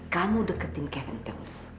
kamu deketin kevin terus